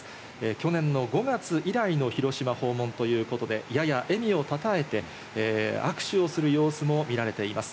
去年の５月以来の広島訪問ということで、やや笑みをたたえて、握手をする様子もみられています。